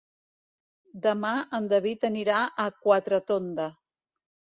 Demà en David anirà a Quatretonda.